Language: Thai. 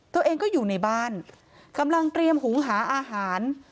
ตัวเองก็อยู่ในบ้านกำลังเตรียมหุงหาอาหาร